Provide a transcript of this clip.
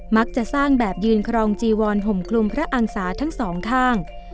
มักจะสร้างแบบยืนครองจีวอนห่มคลุมพระอังษาทั้งสองข้าง